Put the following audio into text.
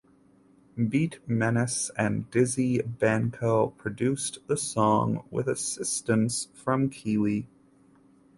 Beat Menace and Dizzy Banko produced the song with assistance from Kiwi.